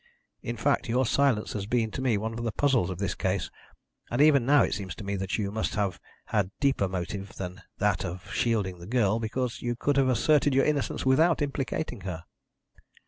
In fact, your silence has been to me one of the puzzles of this case, and even now it seems to me that you must have had a deeper motive than that of shielding the girl, because you could have asserted your innocence without implicating her."